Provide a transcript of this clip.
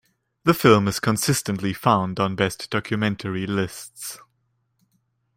The film is consistently found on "best documentary" lists.